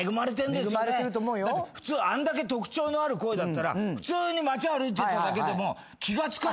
だって普通あんだけ特徴のある声だったら普通に街歩いてただけでも気が付かれちゃうこと。